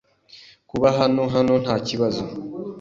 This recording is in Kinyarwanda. Kuba hano hano ntakibazo.